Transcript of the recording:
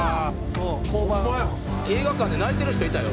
「映画館で泣いてる人いたよ」